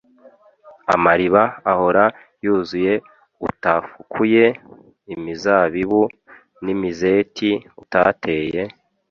amariba ahora yuzuye utafukuye, imizabibu n’imizeti utateye;